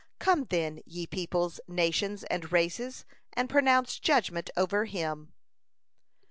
Come, then, ye peoples, nations, and races, and pronounce judgment over him!"